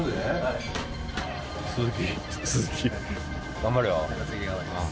頑張れよ。